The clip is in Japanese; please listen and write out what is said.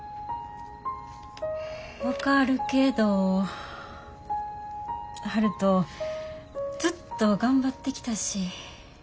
分かるけど悠人ずっと頑張ってきたし。